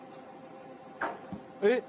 えっ？